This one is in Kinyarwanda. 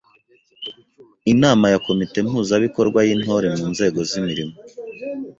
Inama ya komite mpuzabikorwa y’Intore mu nzego z’imirimo